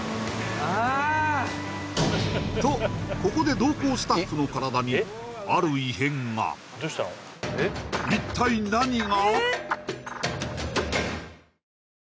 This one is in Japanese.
あとここで同行スタッフの体にある異変が一体何が！？